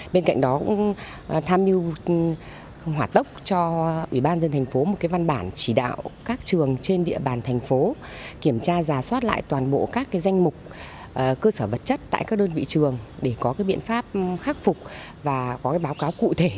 bên cạnh đó cũng tham mưu hỏa tốc cho ủy ban dân thành phố một văn bản chỉ đạo các trường trên địa bàn thành phố kiểm tra giả soát lại toàn bộ các danh mục cơ sở vật chất tại các đơn vị trường để có biện pháp khắc phục và có báo cáo cụ thể